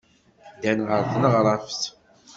Ddan ɣer tneɣraft.